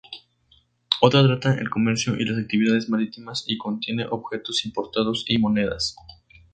Otra trata el comercio y las actividades marítimas y contiene objetos importados y monedas.